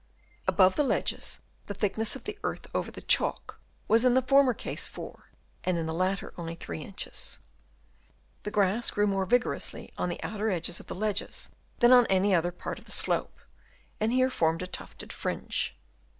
Above the ledges, the thickness of the earth over the chalk was in Chap. VI. LEDGES ON HILL SIDES. 283 the former case 4 and in the latter only 3 inches. The grass grew more vigorously on the outer edges of the ledges than on any other part of the slope, and here formed a tufted fringe.